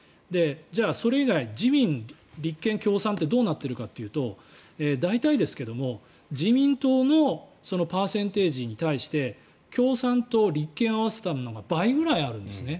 じゃあ、それ以外自民、立憲、共産ってどうなっているかというと大体ですけれども自民党のパーセンテージに対して共産と立憲を合わせたのが倍くらいあるんですね。